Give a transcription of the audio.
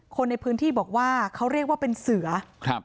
คนในพื้นที่บอกว่าเขาเรียกว่าเป็นเสือครับ